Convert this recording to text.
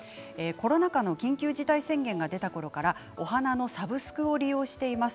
コロナ禍の緊急事態宣言が出たころから、お花のサブスクを利用しています。